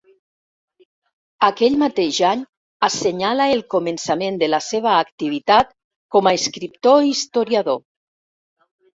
Aquell mateix any assenyala el començament de la seva activitat com a escriptor i historiador.